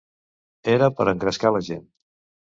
Era per engrescar la gent.